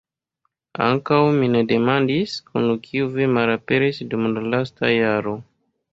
Ankaŭ mi ne demandis, kun kiu vi malaperis dum la lasta jaro.